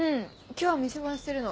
今日は店番してるの。